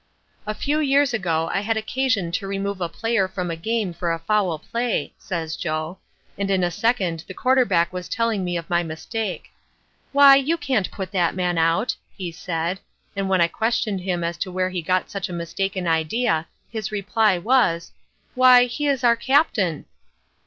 "A few years ago I had occasion to remove a player from a game for a foul play," says Joe, "and in a second the quarterback was telling me of my mistake. 'Why, you can't put that man out,' he said, and when I questioned him as to where he got such a mistaken idea, his reply was: "'Why, he is our captain!'